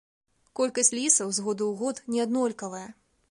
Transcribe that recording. Колькасць лісаў з году ў год неаднолькавая.